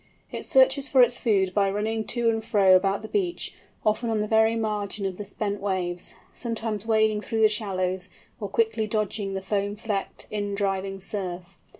It searches for its food by running to and fro about the beach, often on the very margin of the spent waves, sometimes wading through the shallows, or quickly dodging the foam flecked in driving surf.